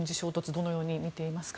どのようにみていますか？